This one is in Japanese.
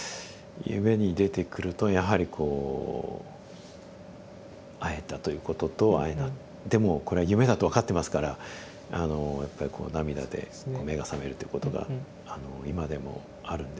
夢に出てくるとやはりこう会えたということと会えなでも「これは夢だ」と分かってますからやっぱりこう涙で目が覚めるってことが今でもあるんですね。